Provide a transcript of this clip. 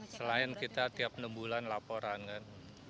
selain kita tiap enam bulan laporan kan